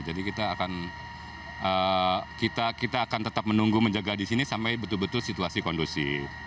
jadi kita akan kita akan tetap menunggu menjaga di sini sampai betul betul situasi kondusi